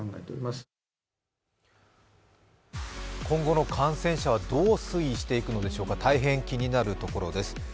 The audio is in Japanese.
今後の感染者はどう推移していくのでしょうか大変気になるところです。